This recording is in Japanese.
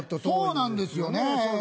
そうなんですよね。